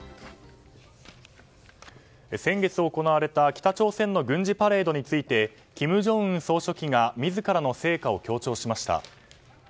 先月行われた北朝鮮の軍事パレードについて金正恩総書記が自らの成果を強調しました。